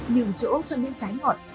nhưng chỗ cho nên trái ngọt